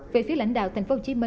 về phía lãnh đạo tp hcm